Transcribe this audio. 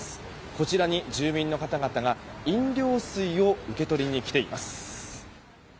こちらに住民の方々が飲料水を受け取りに来ています。